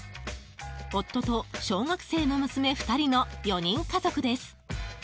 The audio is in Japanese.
夫と小学生の娘２人の４人家族です。